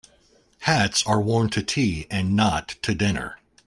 Hats are worn to tea and not to dinner.